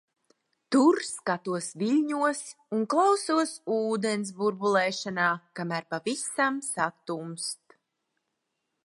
Tur skatos viļņos un klausos ūdens burbulēšanā, kamēr pavisam satumst.